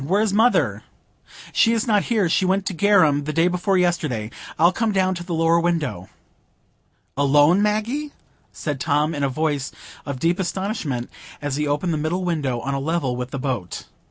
Where is mother?" "She is not here; she went to Garum the day before yesterday. I'll come down to the lower window." "Alone, Maggie?" said Tom, in a voice of deep astonishment, as he opened the middle window, on a level with the boat.